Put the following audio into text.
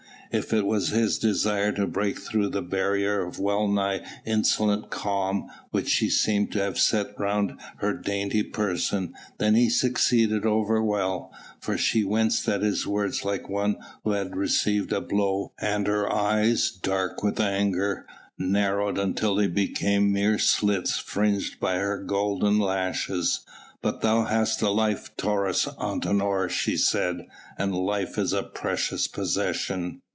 If it was his desire to break through the barrier of well nigh insolent calm which she seemed to have set round her dainty person, then he succeeded over well, for she winced at his words like one who has received a blow and her eyes, dark with anger, narrowed until they became mere slits fringed by her golden lashes. "But thou hast a life, Taurus Antinor," she said, "and life is a precious possession."